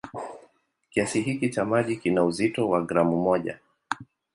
Kiasi hiki cha maji kina uzito wa gramu moja.